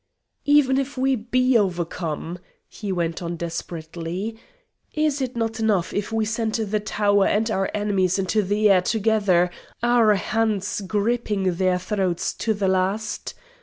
"Even if we be overcome," he went on desperately, "is it not enough if we send the tower and our enemies into the air together, our hands gripping their throats to the last?